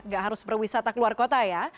gak harus berwisata keluar kota ya